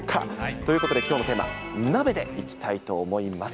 ということで、きょうのテーマ、鍋でいきたいと思います。